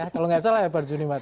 kalau tidak salah ya pak juni mati